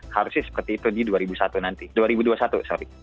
harusnya seperti itu di dua ribu dua puluh satu nanti